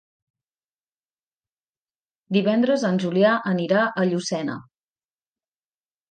Divendres en Julià anirà a Llucena.